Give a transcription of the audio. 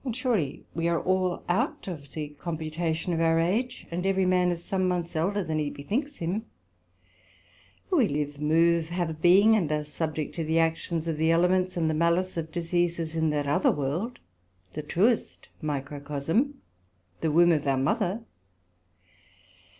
And surely we are all out of the computation of our age, and every man is some months elder than he bethinks him; for we live, move, have a being, and are subject to the actions of the elements, and the malice of diseases, in that other world, the truest Microcosm, the Womb of our Mother.